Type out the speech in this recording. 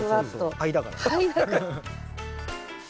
灰だから。